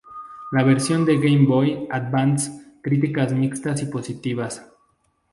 La versión de Game Boy Advance críticas mixtas y positivas.